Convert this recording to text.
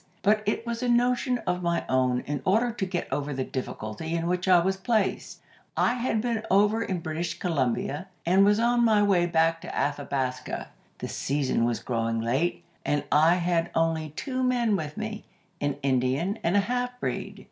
But it was a notion of my own in order to get over the difficulty in which I was placed. I had been over in British Columbia, and was on my way back to Athabasca. The season was growing late, and I had only two men with me—an Indian and a half breed.